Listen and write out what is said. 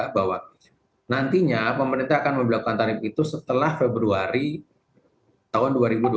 bahwa nantinya pemerintah akan memperlakukan tarif itu setelah februari tahun dua ribu dua puluh